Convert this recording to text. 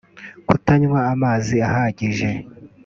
Kutanywa amazi ahagije